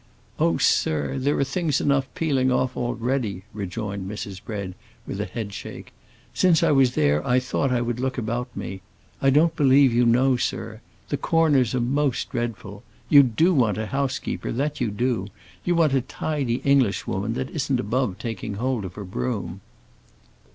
"Oh, sir, there are things enough peeling off already!" rejoined Mrs. Bread, with a head shake. "Since I was there I thought I would look about me. I don't believe you know, sir. The corners are most dreadful. You do want a housekeeper, that you do; you want a tidy Englishwoman that isn't above taking hold of a broom."